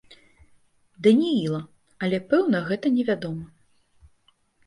Данііла, але пэўна гэта не вядома.